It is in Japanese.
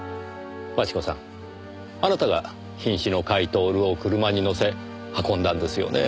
真智子さんあなたが瀕死の甲斐享を車に乗せ運んだんですよね？